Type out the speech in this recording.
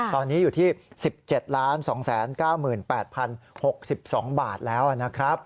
ตอนนี้อยู่ที่๑๗๒๙๘๐๖๒บาทแล้วนะครับ